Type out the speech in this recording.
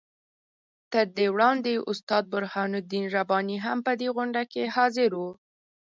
تر دې وړاندې استاد برهان الدین رباني هم په غونډه کې حاضر وو.